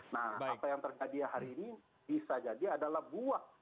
nah apa yang terjadi hari ini bisa jadi adalah buah